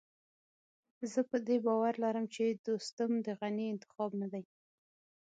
زه په دې باور لرم چې دوستم د غني انتخاب نه دی.